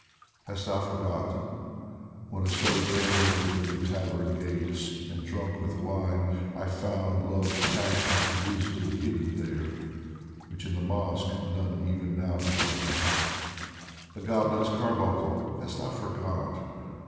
Hast thou forgotten, when a sojourner Within the tavern gates and drunk with wine, I found Love's passionate wisdom hidden there, Which in the mosque none even now divine ? The goblet's carbuncle (hast thou forgot